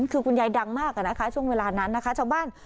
คือคุณยายดังมากอะนะคะช่วงเวลานั้นนะคะชาวบ้าน